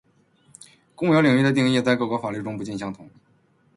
公有领域的定义在各国法律中不尽相同